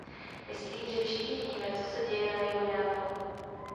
Myslím, že všichni víme, co se děje na jihu Neapole.